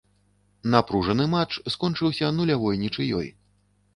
Напружаны матч скончыўся нулявой нічыёй.